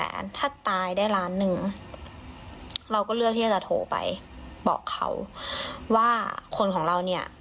เอาฟังคลิปที่เธอไลฟ์ค่ะ